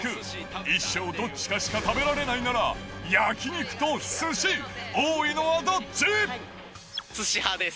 一生どっちかしか食べられないなら、焼き肉とすし、多いのはどっすし派です。